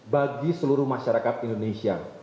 bagi seluruh masyarakat indonesia